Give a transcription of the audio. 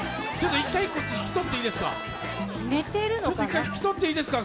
１回引き取っていいですか？